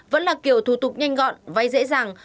vẫn là kiểu thủ tục nhanh gọn vay dễ dàng